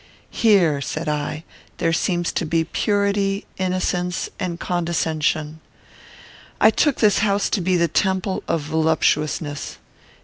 "Here," said I, "there seems to be purity, innocence, and condescension. I took this house to be the temple of voluptuousness.